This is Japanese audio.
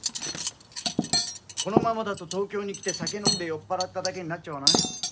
このままだと東京に来て酒飲んで酔っぱらっただけになっちゃわない？